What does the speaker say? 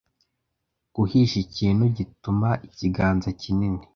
Guhisha ikintu, gituma ikiganza kinini